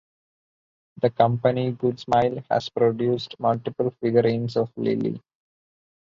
The company Good Smile has produced multiple figurines of Lillie.